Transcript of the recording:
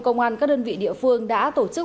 công an các đơn vị địa phương đã tổ chức